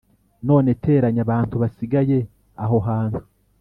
None teranya abantu basigaye aho hantu